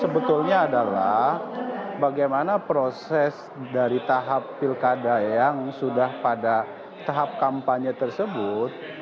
sebetulnya adalah bagaimana proses dari tahap pilkada yang sudah pada tahap kampanye tersebut